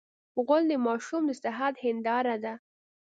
غول د ماشوم د صحت هنداره ده.